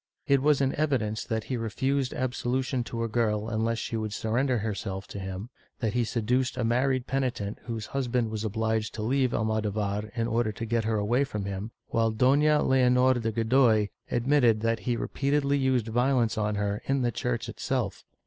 It was in evidence that he refused absolution to a girl unless she would surrender herself to him, that he seduced a married penitent whose husband was obliged to leave Almodovar in order to get her away from him, while Doiia Leonor de Godoy admitted that he repeatedly used violence on her in the church itself.